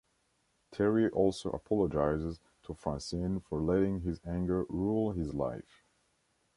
Terry also apologizes to Francine for letting his anger rule his life.